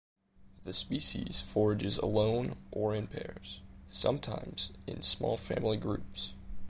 The species forages alone or in pairs, sometimes in small family groups.